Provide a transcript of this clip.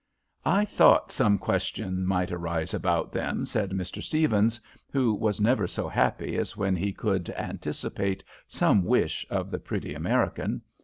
"I thought some question might arise about them," said Mr. Stephens, who was never so happy as when he could anticipate some wish of the pretty American.